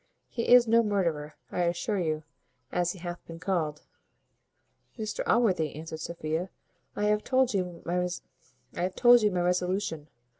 He is no murderer, I assure you; as he hath been called." "Mr Allworthy," answered Sophia, "I have told you my resolution.